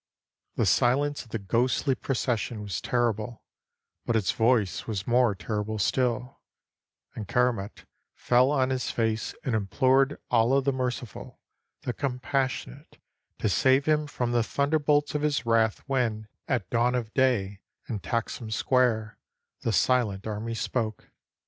The silence of the ghostly procession was terrible, but its voice was more terrible still, and Keramet fell on his face and implored Allah the Merciful, the Compassion ate, to save him from the thunderbolts of his wrath when, at dawn of day, in Taxim Square, the Silent Army spoke.